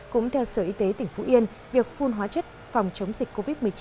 cũng theo sở y tế tỉnh phú yên việc phun hóa chất phòng chống dịch covid một mươi chín